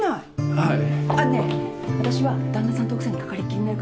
はい。